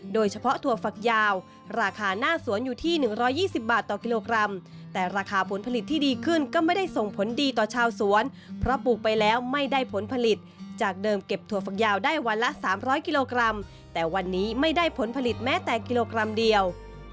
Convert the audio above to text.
ถั่วฝักยาวราคาหน้าสวนอยู่ที่๑๒๐บาทต่อกิโลกรัมแต่ราคาผลผลิตที่ดีขึ้นก็ไม่ได้ส่งผลดีต่อชาวสวนเพราะปลูกไปแล้วไม่ได้ผลผลิตจากเดิมเก็บถั่วฝักยาวได้วันละ๓๐๐กิโลกรัมแต่วันนี้ไม่ได้ผลผลิตแม้แต่กิโลกรัมเดียว